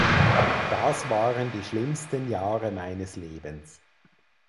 Das waren die schlimmsten Jahre meines Lebens.